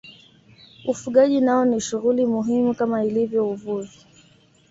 Ufugaji nao ni shughuli muhimu kama ilivyo uvuvi